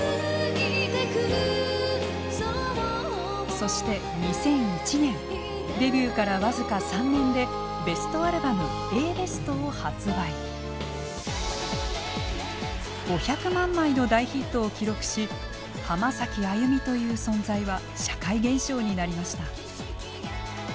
そして２００１年デビューから僅か３年で５００万枚の大ヒットを記録し「浜崎あゆみ」という存在は社会現象になりました。